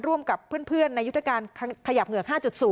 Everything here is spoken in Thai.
ร่วมกับเพื่อนในยุทธการขยับเหงือก๕๐